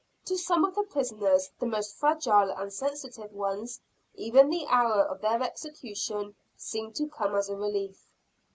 To some of the prisoners, the most fragile and sensitive ones, even the hour of their execution seemed to come as a relief.